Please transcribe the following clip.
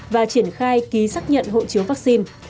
và triển khai ký xác nhận hộ chiếu vắc xin